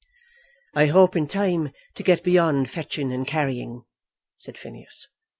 "I hope in time to get beyond fetching and carrying," said Phineas.